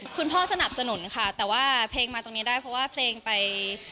สนับสนุนค่ะแต่ว่าเพลงมาตรงนี้ได้เพราะว่าเพลงไป